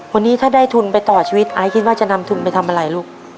วันนี้ถ้าได้ทุนไปต่อชีวิตไอซ์คิดว่าจะนำทุนไปทำอะไรลูก